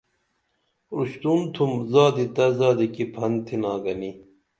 اُشتُرون تُھم زادی تہ زادی کی پھن تِھنا گنی